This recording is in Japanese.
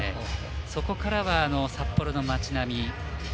そこからは札幌の町並み